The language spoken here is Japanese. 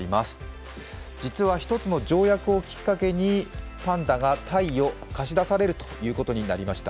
実は一つの条約をきっかけにパンダが貸与されるということになりました。